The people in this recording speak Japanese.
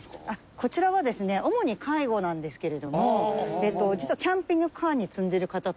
こちらはですね主に介護なんですけれども実はキャンピングカーに積んでる方とか。